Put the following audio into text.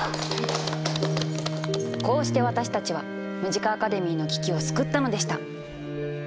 こうして私たちはムジカ・アカデミーの危機を救ったのでした。